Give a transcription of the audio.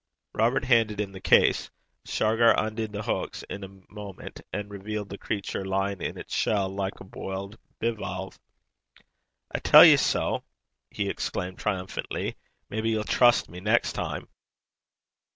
Robert handed him the case. Shargar undid the hooks in a moment, and revealed the creature lying in its shell like a boiled bivalve. 'I tellt ye sae!' he exclaimed triumphantly. 'Maybe ye'll lippen to me (trust me) neist time.'